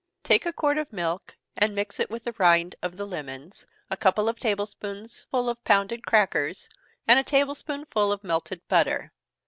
Take a quart of milk, and mix it with the rind of the lemons, a couple of table spoonsful of pounded crackers, and a table spoonful of melted butter.